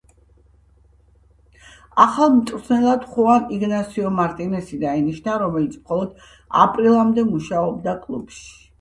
ახალ მწვრთნელად ხუან იგნასიო მარტინესი დაინიშნა, რომელიც მხოლოდ აპრილამდე მუშაობდა კლუბში.